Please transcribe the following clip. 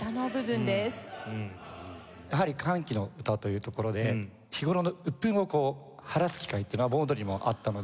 やはり『歓喜の歌』というところで日頃のうっぷんをこう晴らす機会っていうのは盆踊りもあったので。